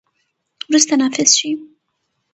وروسته، نافذ شي.